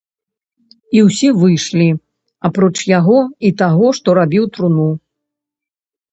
І ўсе выйшлі, апроч яго і таго, што рабіў труну.